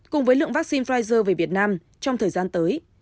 cùng với lượng vaccine pfizer về việt nam trong thời gian tới